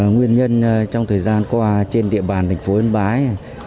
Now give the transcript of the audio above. nguyên nhân trong thời gian qua trên địa bàn thành phố yên bái